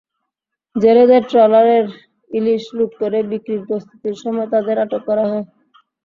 জেলেদের ট্রলারের ইলিশ লুট করে বিক্রির প্রস্তুতির সময় তাঁদের আটক করা হয়।